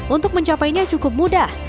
untuk mencapainya cukup mudah